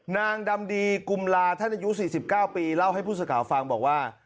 นางดำดีกุมลาท่านอายุ๔๙ปีเล่าให้ผู้สื่อข่าวฟังบอกว่า